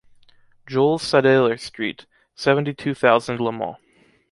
Joël Sadeler Street, seventy-two thousand Le Mans.